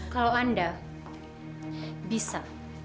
kalau anda bisa